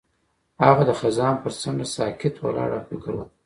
هغه د خزان پر څنډه ساکت ولاړ او فکر وکړ.